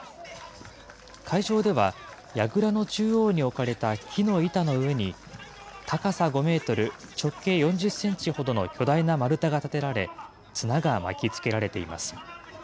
会場では、やぐらの中央に置かれた木の板の上に、高さ５メートル、直径４０センチほどの巨大な丸太が立てられ、綱が巻きつけられています。